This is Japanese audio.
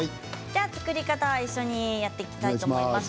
作り方は一緒にやっていきたいと思います。